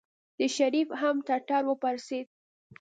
د شريف هم ټټر وپړسېد.